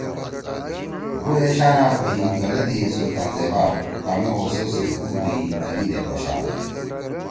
بُوڑ ایشانا پہیِم گَلَدی سلطان زیبا، کامے اُوسو سی اُو پُوئی، أنگی دے پشا